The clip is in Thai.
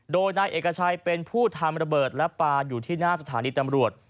โดยนายเอกชัยเป็นผู้ทำระเบิดและปลาอยู่ที่หน้าสถานีตำรวจ